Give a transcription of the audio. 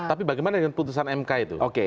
tapi bagaimana dengan putusan mk itu